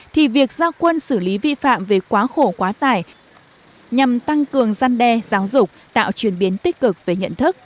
thì việc giao quân xử lý vi phạm về quá khổ quá tải nhằm tăng cường gian đe giáo dục tạo truyền biến tích cực về nhận thức